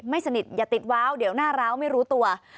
สนิทอย่าติดว้าวเดี๋ยวหน้าร้าวไม่รู้ตัว